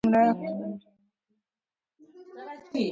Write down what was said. زرګونه سربازان د امپراتوریو تر امر لاندې وو.